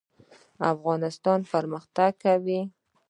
افغانستان به پرمختګ کوي؟